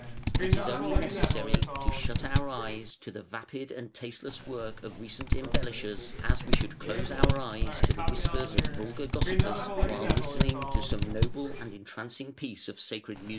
It is only necessary to shut our eyes to the vapid and tasteless work of recent embellishers, as we should close our ears to the whispers of vulgar gossipers while listening to some noble and entrancing piece of sacred music.